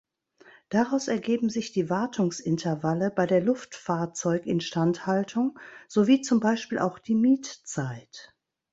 Daraus ergeben sich die Wartungsintervalle bei der Luftfahrzeug-Instandhaltung sowie zum Beispiel auch die Miet-Zeit.